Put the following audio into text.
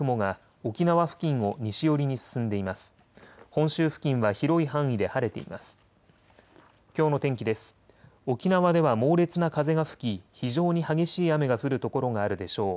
沖縄では猛烈な風が吹き非常に激しい雨が降る所があるでしょう。